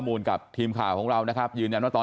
มันจบไปแล้วนะวันนั้นก็โอ้